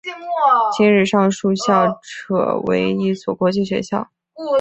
今日上述校扯为一所国际学校。